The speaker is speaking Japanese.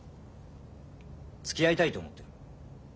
つきあいたいと思ってる。